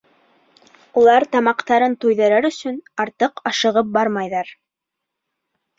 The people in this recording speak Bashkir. Улар тамаҡтарын туйҙырыр өсөн артыҡ ашығып бармайҙар.